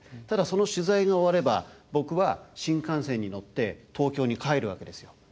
ただその取材が終われば僕は新幹線に乗って東京に帰るわけですよ。